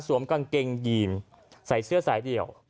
กางเกงยีนใส่เสื้อสายเดี่ยว